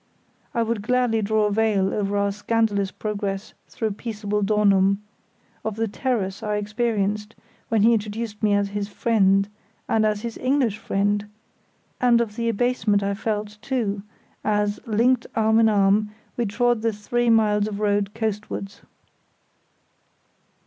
I would gladly draw a veil over our scandalous progress through peaceable Dornum, of the terrors I experienced when he introduced me as his friend, and as his English friend, and of the abasement I felt, too, as, linked arm in arm, we trod the three miles of road coastwards.